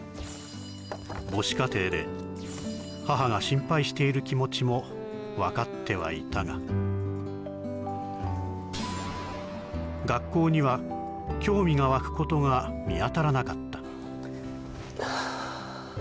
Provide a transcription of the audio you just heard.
母子家庭で母が心配している気持ちも分かってはいたが学校には興味が湧くことが見当たらなかったはあ